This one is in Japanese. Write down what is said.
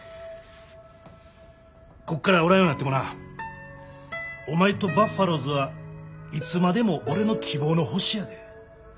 こっからおらんようなってもなお前とバファローズはいつまでも俺の希望の星やで。